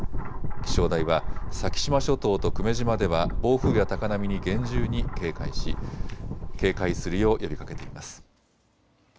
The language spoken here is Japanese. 気象台は先島諸島と久米島では暴風や高波に厳重に警戒し警戒するよう呼びかけています。